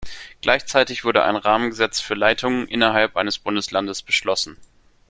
Gleichzeitig wurde ein Rahmengesetz für Leitungen innerhalb eines Bundeslandes beschlossen.